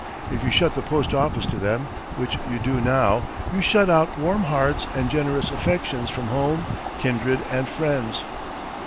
If you shut the post office to them, which you do now, you shut out warm hearts and generous affections from home, kindred, and friends."